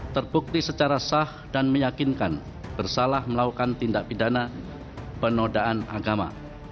terbukti secara sah dan meyakinkan bersalah melakukan tindak pidana penodaan agama